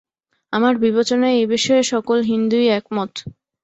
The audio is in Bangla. আমার বিবেচনায় এই বিষয়েও সকল হিন্দুই একমত।